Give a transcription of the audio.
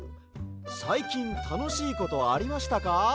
「さいきんたのしいことありましたか？」